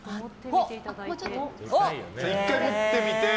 １回、持ってみて。